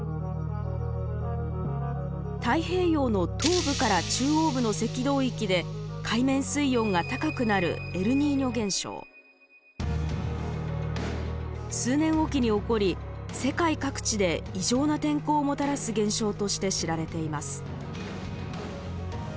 太平洋の東部から中央部の赤道域で海面水温が高くなる数年置きに起こり世界各地で異常な天候をもたらす現象として知られています。